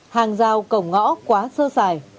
hàng rào cổng ngõ quá sơ sài